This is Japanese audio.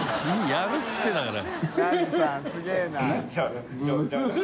やるって言ってるんだから。